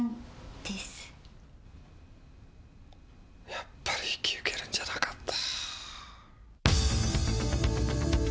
やっぱり引き受けるんじゃなかった。